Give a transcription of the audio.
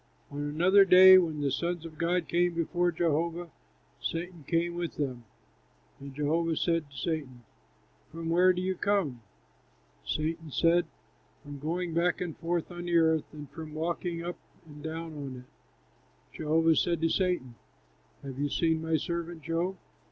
On another day when the sons of God came before Jehovah, Satan came with them. And Jehovah said to Satan, "From where do you come?" Satan answered, "From going back and forth on the earth, and from walking up and down on it." Jehovah said to Satan, "Have you seen my servant Job?